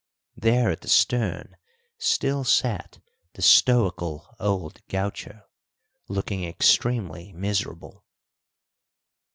There at the stern still sat the stoical old gaucho, looking extremely miserable.